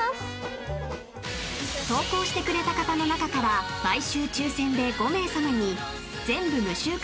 ［投稿してくれた方の中から毎週抽選で５名さまに全部無臭化